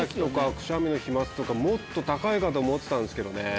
くしゃみの飛沫とかもっと高いかと思ってたんですけどね。